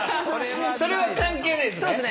それは関係ないですね？